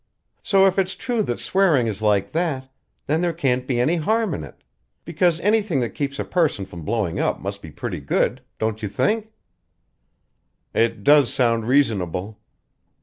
So if it's true that swearing is like that, then there can't be any harm in it; because anything that keeps a person from blowing up must be pretty good, don't you think?" "It does sound reasonable."